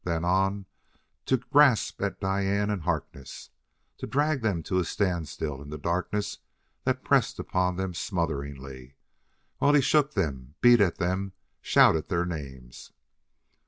Then on, to grasp at Diane and Harkness; to drag them to a standstill in the darkness that pressed upon them smotheringly, while he shook them, beat at them, shouted their names.